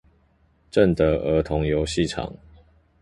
正德兒童遊戲場